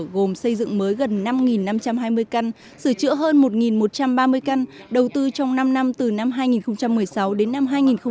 gồm xây dựng mới gần năm năm trăm hai mươi căn sửa chữa hơn một một trăm ba mươi căn đầu tư trong năm năm từ năm hai nghìn một mươi sáu đến năm hai nghìn hai mươi